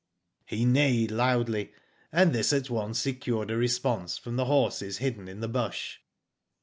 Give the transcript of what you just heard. '* He neighed loudly, and this at once secured a response from the horses hidden in the bush.